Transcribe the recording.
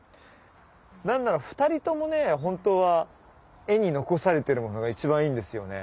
何なら２人ともねホントは絵に残されているものが一番いいんですよね。